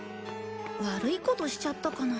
悪いことしちゃったかな。